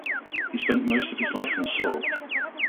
He spent most of his life in Seoul.